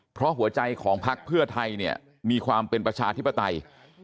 เพราะหัวใจของพักเพื่อไทยเนี่ยมีความเป็นประชาธิปไตย